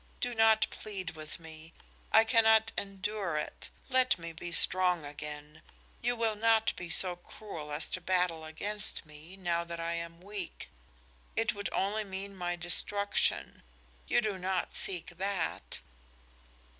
Do not plead with me. I cannot endure it. Let me be strong again! You will not be so cruel as to battle against me, now that I am weak; it would only mean my destruction. You do not seek that!"